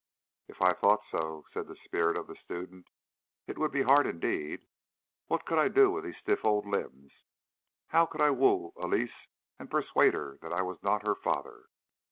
"If I thought so," said the spirit of the student, "it would be hard indeed. What could I do with these stiff old limbs, and how could I woo Elise and persuade her that I was not her father?